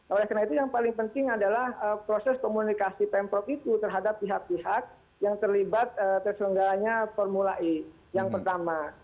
oleh karena itu yang paling penting adalah proses komunikasi pemprov itu terhadap pihak pihak yang terlibat terselenggaranya formula e yang pertama